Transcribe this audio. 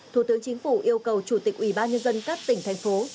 thủ tướng chính phủ yêu cầu chủ tịch ủy ban nhân dân các tỉnh thành phố